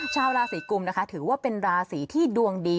ชาวราศีกุมนะคะถือว่าเป็นราศีที่ดวงดี